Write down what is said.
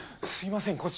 すいません。